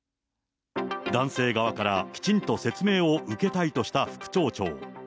男性側からきちんと説明を受けたいとした副町長。